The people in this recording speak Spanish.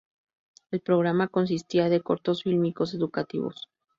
El programa consistía de cortos fílmicos educativos.